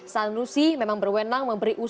sanusi memang berwenang memberi uang